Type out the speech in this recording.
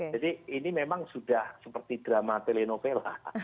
jadi ini memang sudah seperti drama telenovela